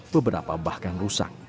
beberapa bahkan rusak